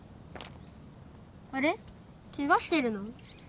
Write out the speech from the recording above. あれケガしてるの？